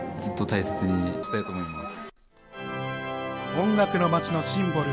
音楽のまちのシンボル